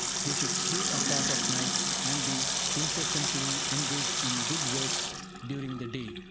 They should sleep apart at night, and be incessantly engaged in good works during the day.